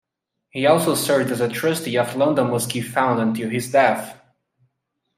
He also served as a trustee of the London Mosque Fund until his death.